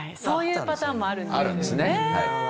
そういうパターンもあるんですよね。